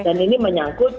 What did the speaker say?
dan ini menyangkut